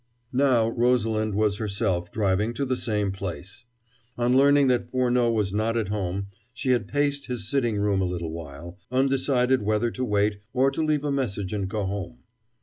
Now, Rosalind was herself driving to the same place. On learning that Furneaux was not at home, she had paced his sitting room a little while, undecided whether to wait, or to leave a message and go home.